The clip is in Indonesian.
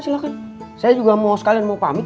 silahkan saya juga mau sekalian mau pamit